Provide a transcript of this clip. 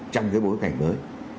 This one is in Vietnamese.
trong cái bối cảnh mới